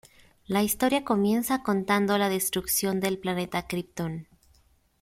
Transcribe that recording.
La historia comienza contando la destrucción del planeta Krypton.